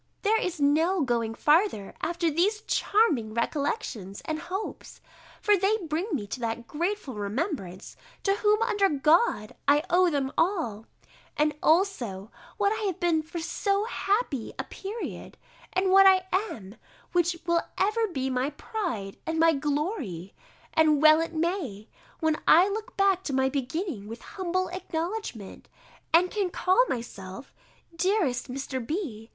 There is no going farther after these charming recollections and hopes, for they bring me to that grateful remembrance, to whom, under God, I owe them all, and also what I have been for so happy a period, and what I am, which will ever be my pride and my glory; and well it may, when I look back to my beginning with humble acknowledgment, and can call myself, dearest Mr. B.